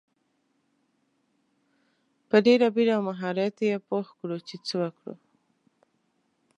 په ډیره بیړه او مهارت یې پوه کړو چې څه وکړو.